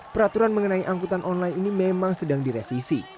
peraturan mengenai angkutan online ini memang sedang direvisi